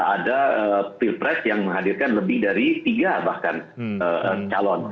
ada pilpres yang menghadirkan lebih dari tiga bahkan calon